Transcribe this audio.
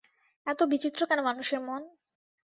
এত বিচিত্র কেন মানুষের মন!